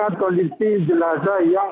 lapas kelas satu tangerang